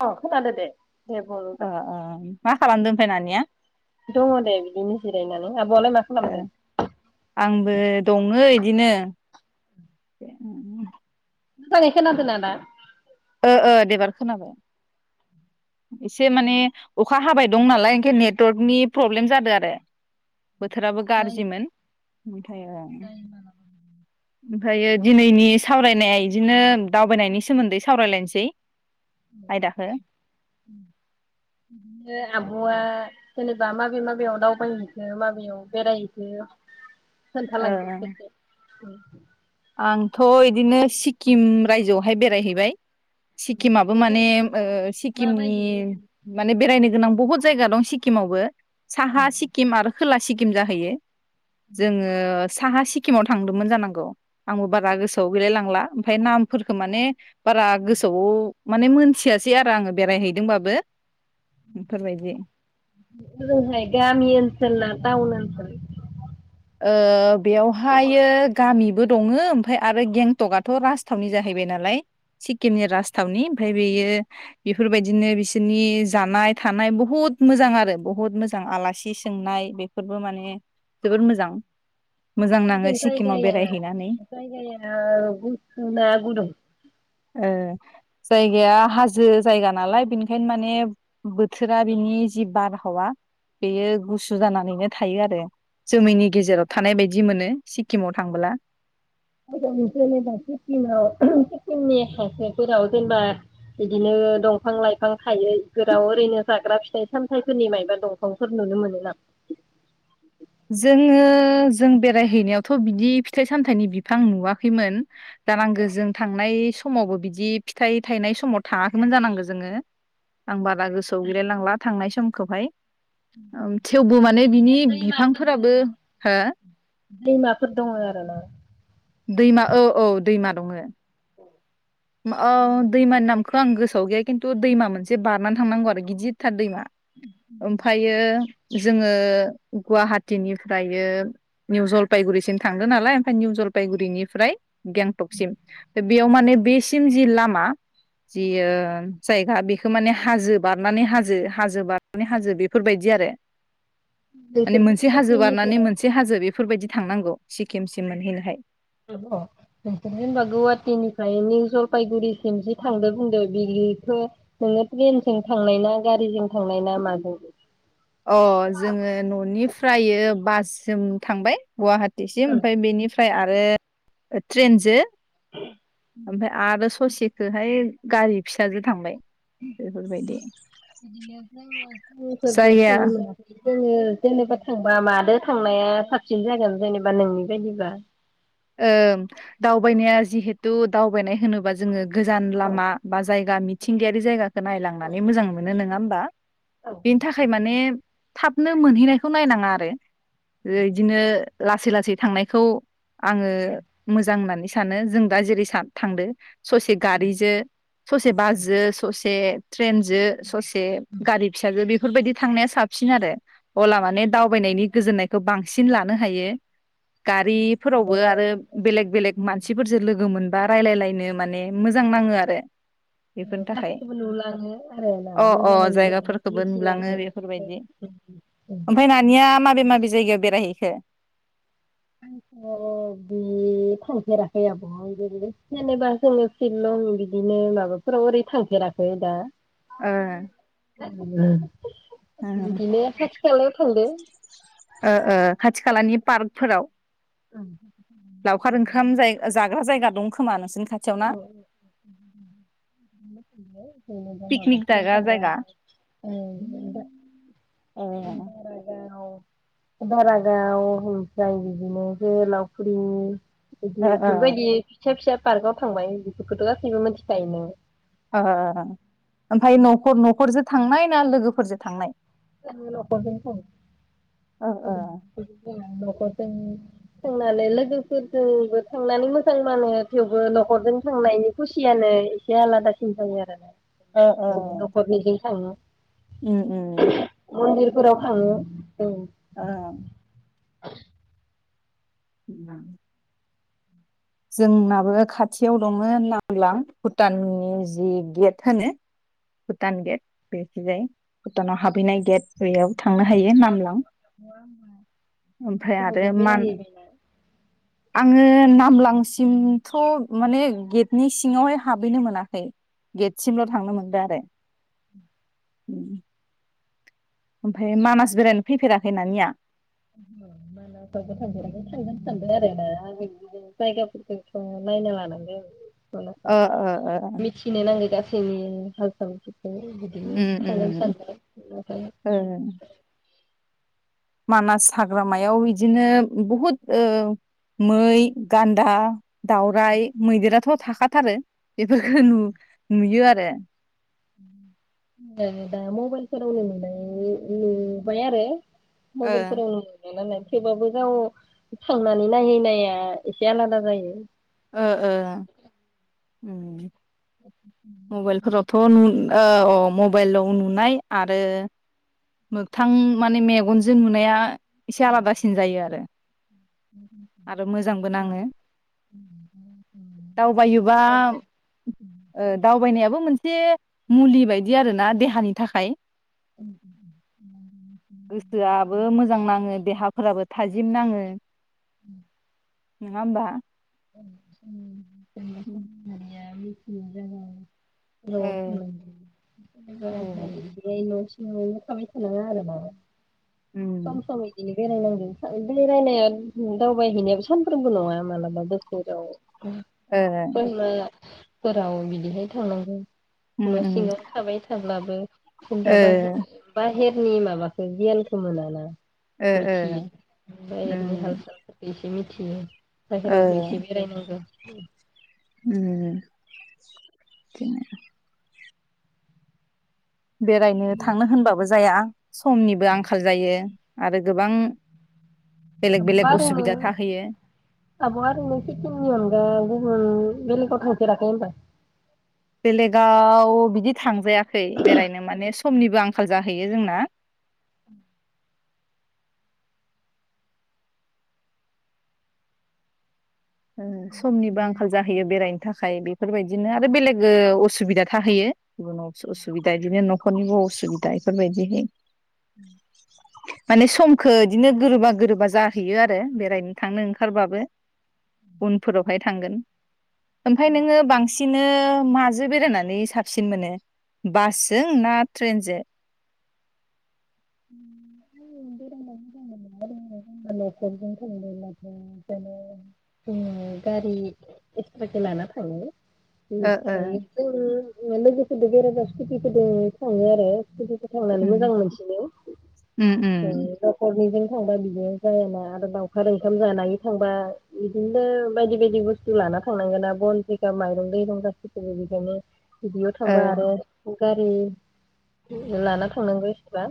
अ खोनादो दे। दे बुंबाय ओ ओ मा खालामदों? होनानिया। दङ दे बिदिनो जिरायनानै। आब'आलाय मा ए खालामदों आंबो दङो इदिनो। ए मोजाङै खोना दोना दा? ओ ओ देबार खोनाबाय। एसे माने अखा हाबाय दं नालाय ओंखाय नेटवर्कनि प्रब्लेम जादों आरो। बोथोराबो गारजिमोन [unintelligible] ओमफ्रायो दिनैनि सावरायनाया इदिनो दावबायनायनि सोमोन्दै सावरायलायनसै। [inaudible] बिदिनो आब'आ जेनेबा माबे माबेयाव दावबायहैखो माबेयाव बेरायहैखो खोनथालांदो ओ खेबसे। ओं आंथ' इदिनो सिक्किम रायजोआवहाय बेरायहैबाय। सिक्किमाबो माने ओ सिक्किमनि माने बेरायनो गोनां बहुत जायगा दं सिक्किमावबो। साहा सिक्किम आरो खोला सिक्किम जाहैयो। जोङो साहा सिक्किमाव थांदोंमोन जानांगौ। आंबो बारा गोसोआव गैलायलांला। ओमफाय नामफोरखौ माने बारा गोसोआव माने मोनथियासै आरो आङो बेरायहैदोंबाबो। बेफोरबायदि ओजोंहाय गामि आनसोल ना टाउन ओनसोल? ओ सहर बेयावहायो गामिबो दङो ओमफाय आरो गेंटकाथ'क आथ' राजथावनि जाहैबाय नालाय सिक्किमनि राजथावनि ओमफाय बेयो बेफोरबायदिनो बिसोरनि जानाय थानाय बहुत मोजां आरो बहुत मोजां आलासि सोंनाय बेफोरबो माने जोबोर मोजां। [inaudible] नाङो मोजां सिक्किमाव जायगाया बेरायहैनानै जायगाया गुसु ना गुदुं? ए जायगाया हाजो जायगा नालाय बेनिखायनो माने बोथोरा बिनि जि बार हावा बेयो गुसु जानानैनो थायो आरो जोमैनि गेजेराव थानाय बायदि मोनो सिक्किमाव थांबोला। [unintelligible] सिक्किमाव सिक्किमनि खावसेफोराव जेनेबा बिदिनो दंफां लाइफां थायो इफोराव ओरैनो जाग्रा फिथाइ सामथाइफोरनि मायबा दंफांफोर नुनो मोनो नामा? जोङो जों बेरायहैनायावथ' बिदि फिथाइ सामथाइनि बिफां नुवाखैमोन जानांगो जों थांनाय समावबो बिदि फिथाइ थायनाय समाव थाङाखैमोन जानांगो जोङो आं बार रा गोसोआव गैलायलांला थांनाय समखौहाय [inaudible] फोराबो हो दैमाफोर दङ आरो ना! दैमा औ औ दैमा दङो। मा अ दैमानि नामख खौ आं गोसोआव गैया खिन्थु दैमा मोनसे बारनानै थांनांगौ आरो गिदिरथार दैमा। ओमफायो जोङो गुवाहाटिनिफ्रायो निउ जलफायगुरिसिम थांदों नालाय ओमफाय निउ जलफायगुरिनिफ्राय गेंटकसिम बेयाव माने बेस सिम जि लामा जि ओ जायगा बेखौ माने हाजो बारनानै हाजो हाजो बारनानै हाजो बेफोर बायदि आरो। माने बेफोरबो मोनसे हाजो बारनानै गुवाहाटिनिफ्राय मोनसे हाजो बे फोरबायदि थांनांगौ। सिक्किमसिम मोनहैनोहाय आब नोंसोर जेनेबा गौहातिनिफ्राय निउ जल फायगुरिसिम जि थांदो बुंदो बिलिखो नोंङो ट्रेनजों थांनाय ना गारिजों थांनाय ना माजों? अ जोङो न'निफ्रायो बास जों थांबाय गुवाहाटि सिम ओमफाय बेनि फाय आरो ट्रेनजो ओमफाय आरो स ससे खोहाय गारि फिसाजो थांबाय। बेफोरबायदि [unintelligible] जायगाया जोंङो जेनेबा थांबा मादो थांनाया साबसिन जागोन जेनेबा नोंनि बायदिबा? ओ दावबायनाया जिहेथु दावबायनाय होनोबा जोंङो गोजान औ लामा बा जायगा मिथिंगायारि जायगाखो नायलांनानै मोजां मोनो नो ङामबा। औ बेनि थाखाय माने थाबनो मोनहैनायखौ नायनांङा आरो। ओ इदिनो लासै लासै थांनायखौ आंङो मोजां होननानै सानो जों दा जेरै सा थांदो। ससे गारिजो ससे बास जो सस बे ट्रेन जों ससे गारि फिसाजो बि फोरबायदि थांनाया साबसिन आरो। अला माने दावबायनायनि गोजोननायखौ बांसिन ला नो हायो। गारि फ्रावबो आरो बेले बेले मानसिफोर जो लोगो मोनबा रायलायलायनो माने मोजां नांङो आरो बेफोरनि थाखाय गासैखौबो नुलाङो आरो ना अ अ मोजाङै नुलाङो जायगाफोरखोबो नुलांङो बेफोर बायदि मिथिलाङो ओमफाय नानिया मा माबे माबे जायगायाव बेरायहैखो? अ बि थांफेराखै आब'हाव नो जेनेबा जोंङो शिलं बिदिनो माबाफोराव ओरै थांफेराखै दा। ओ ओम [inaudible] बिदिनो खाथि खालायाव थांदों। ओ ओ खाथि खालानि पार्कफोराव। लावखार ओंखाम जाय [inaudible] जाग्रा जायगा दं [inaudible] खोमा नोंसोरनि खाथियाव ना पिकनिक जाग्रा जायगा ए ओ दारागाव‌ ओमफ्राय बिदिनो जोहोलावफुरि ओ इदि इफोरबायदि फिसा फिसा पार्काव थांबाय बेफोरखौथ' गासैबो मिथिखायो नो [unintelligible] ओफाय नख न'खरजों थांनाय ना लोगोफोरजों थांनाय? [inaudible] [inaudible] ओ ओ थांनानै लोगोफोरजोंबो थांनानै मोजां नाङो थेवबो न'खरजों थांनायनि खुसियानो एसे आलादासिन जायो आरोना। ओ ओ न'खरनिजों थाङो। उम उम मन्दिरफोराव थाङो उम ओ उम जोंनाबो खाथियाव दङो नांब्लां। भुटाननि जि गेट थानो भुटान गेट बेखै जाय भुटनाव हाबहैनाय गेटाव बैयाव ओमफ्राय आरो मान [inaudible] आङो नामलां सिमथ' माने गेटनि सिङावहाय हाबहैनो मोनाखै। गेटसिमल' थांनो मोनदो आरो। उम ओमफ्राय मानास बेरायनो फैफेराखै नानिया? [inaudible] [unintelligible] ओ ओ ओ मिथिनो नांगौ गासैनि [inaudible] उम उम ओ [inaudible] मानास हाग्रामायाव इदिनो बुहुद ओ मै गान्दा दाउराय मैदेराथ' थाखाथारो। एफोरफोरखौ नु नुयो आर [unintelligible] दा मबाइलफोरावनो नुनाय नुबाय आरो ओ मबाइलफोरनो नुबाय नालाय थेवबाबो गाव थांनानै नायहैनाया एसे आलादा जायो। ओ ओ। उम मबाइलफोरावथ' नुन औ मबाइलाव नु- नाय आरो मोगथां माने मेगनजों नुनाया एसे आलादासिन जायो आरो। आरो मोजांबो नाङो दावबायोबा ओ [inaudible] दावबायनायाबो मोनसे मुलि बायदि आरोना देहानि थाखाय [unintelligible] फोराबो थाजिम नाङो ओम नङा होनबा ओम ओम बिख [unintelligible] जग [unintelligible] र थ न ओ ओ [unintelligible] ओरैनो थाबाय थानाङा आरोना उम सम सम इदिनि बेराय नांगौ बेरायनाया दावबायहैनायाबो सानफ्रोमबो नङा मालाबाबो जेराव ओम ओ जेनेबा फोराव बिदिहाय थांनांगौ उम न' उम सिङाव थाबाय थाब्लाबो बो जेनेबा ओ बाहेर बाहेर सोरनि [unintelligible] माबाखौ गियानखौ मोनाना ओ मिथियो ओ ओमफ्राय ओरैनो हाल उम साल बेनिख [unintelligible] बाहेरावबो एसे [unintelligible] [inaudible] ओम बेरायनो थांनो होनबाबो जाया समनिबो आंखाल जायो आरो गोबां बेलेग बेलेग आब'आ ओरैनो असुबिदा थाहैयो आब'आ ओरैनो [unintelligible] अनगाय गुबुन बेलेगाव थांफेराखै ओमबा बेलेगाव बिदि थांजाया खै बेरायनो माने स समनिबो आंखाल जाहैयो जोंना ओ समनिबो आंखाल जाहैयो बेरायनो थाखाय बेफोरबायदिनो आरो बेलेग ओ असुबिदा थाहैयो गुबुनाव असुबिदा बिदिनो न'खरनिबो असुबिदा बेफोरबायदिहै [unintelligible] माने समखो इदिनो गोरोबा गोरोबा जाहैयो आरो बेरायनो थांनो ओंखारबाबो उनफोरावहाय थांगोन। ओमफ्राय नोङो बांसिन [unintelligible] माजो बेरायनानै साबसिन मोनो बासजों ना ट्रेनजो? आङो बेरायना मोजां मोनो [unintelligible] जोङो गारि एक्सट्राके लाना थाङो। ओ ओ [unintelligible] लोगोफोरदो बेरायबा स्कुटिफोरदो थाङो आरो स्कुटि थांनानै मोजां मोनसिनो ओम ओ ओम [unintelligible] थांबा बिदिजों जायोना आरो लावउखार ओंखाम जानाय थांबा इदिनो बायदि बायदि बुसथु लाना थांनांगोना बन जिगाब माइरं-दैरं गासिखौबो बेजोंनो बिदियाव ओ थांबा आरो गारि लाना थांनांगो [unintelligible]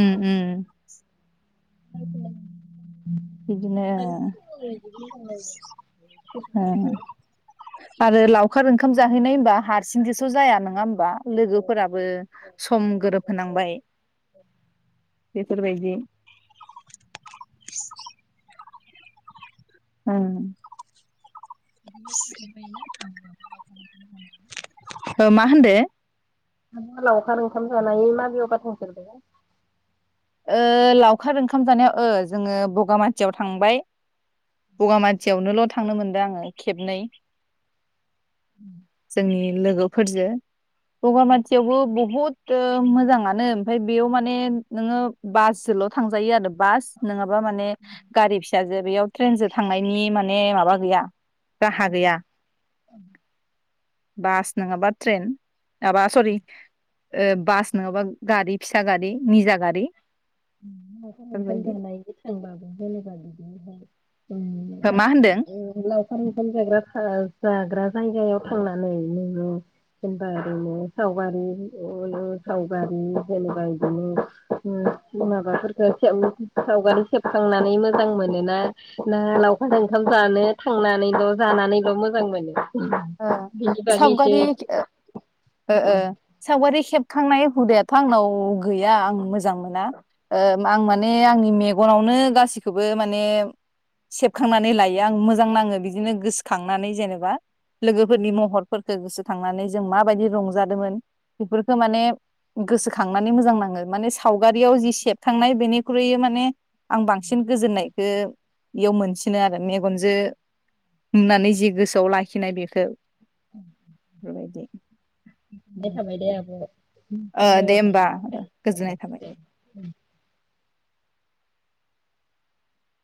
ओम ओम बिदिनो आरो लावखार ओंखाम जाहैनाय होनबा हारसिं जोस' जाया नोङा होम बा लोगोफोराबो सम गोरोब होनांबाय बेफोरबायदि ओं [unintelligible] मा होनदो? [unintelligible] लावखार ओंखाम जानायनि माबेयावबा थांफेरबायना? ओ लावखार ओंखाम जानायाव ओ जोङो बगामातियाव थांबाय बगामा थियावनोल' थांनो मोनदो आङो खेबनै जोंनि लोगोफोरजों बगामाथियावबो बहुत मोजाङानो ओमफ्राय बेयाव माने नोङो बासजोल' थांजायो आरो बास नङाबा माने गारि फिसाजो बेयाव ट्रेनजों थांनायनि माने माबा गैया राहा गैया औ [inaudible] बास नङाबा ट्रेन आबा सरि ओ बास नङाबा गारि फिसा गारि निजा गारि नंखाय नखाम बेफोरबायदि जानाय थांबाबो [inaudible] जेनेबा बिदिहाय हो मा होनदों? उम लावखार ओंखाम जाग्राफ्रा जाग्रा जायगायाव थांनानै नोङो जेनेबा ओरैनो सावगारि सावगारि जेनेबा बिदिनो [inaudible] माबाफोरफोरखौ सावगारि सेबखांनानै मोजां मोनो ना ना लावखाराज ओंखाम जानो थांनानैल' जानानैल' मोजां मोनो? ओ बिनि बागै एसे सावगारि ओ ओ सावगारि खेबखांनाय हुदायाथ' आंनाव गैया आं मोजां मोना ओ आं माने आंनि मेगनावनो गासिखौबो माने सेबखांनानै लायो आं मो जां नाङो बिदिनो गोसोखांनानै जेनेबा लोगोफोरनि महरफोरखौ गोसोखांनानै जों माबायदि रंजादोंमोन बेफोरखौ माने गोसोखांनानै मोजां नाङो माने सावगारियाव जि सेबखांनाय बेनिख्रुयै माने आं बांसिन गोजोननायखो बेयाव मोनसिनो आरो मेगनजों नुनानै जि गोसोआव लाखिनाय बेखौ उम [inaudible] [inaudible] थाबाय [unintelligible] थाबाय दे आब' ओ दे होमबा गोजोननाय थाबाय फोरबो दे [inaudible]